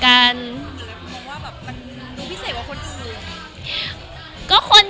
มันคิดว่าจะเป็นรายการหรือไม่มี